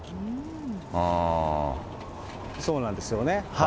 そうなんですよね。